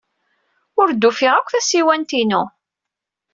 Ur d-ufiɣ akk tasiwant-inu.